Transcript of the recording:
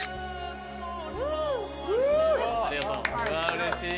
うれしい。